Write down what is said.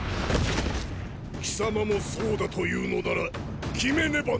貴様もそうだと言うのなら決めねばなるまい。